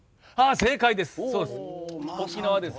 正解です！